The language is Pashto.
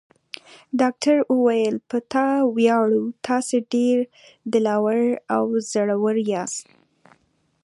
ډاکټر وویل: په تا ویاړو، تاسي ډېر دل اور او زړور یاست.